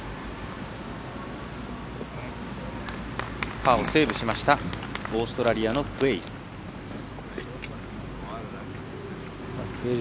パーをセーブしましたオーストラリアのクウェイル。